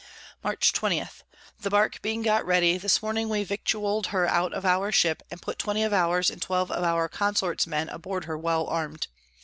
Mar. 20. The Bark being got ready, this Morning we victual'd her out of our Ship, and put 20 of ours, and 12 of our Consorts Men aboard her well arm'd.